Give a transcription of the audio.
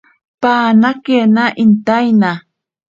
Panakena intaina.